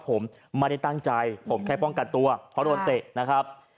ผมไม่ได้ตั้งใจผมแค่ป้องกันตัวเพราะโดนเตะนะครับ